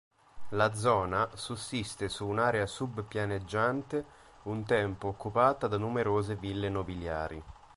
La zona sussiste su un'area sub-pianeggiante un tempo occupata da numerose ville nobiliari.